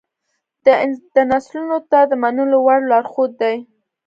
دا نسلونو ته د منلو وړ لارښود دی.